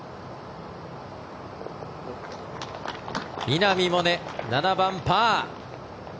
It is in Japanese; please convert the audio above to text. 稲見萌寧７番、パー。